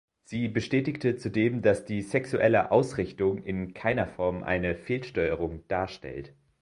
Sie bestätigte zudem, dass die sexueller Ausrichtung in keiner Form eine Fehlsteuerung darstellt.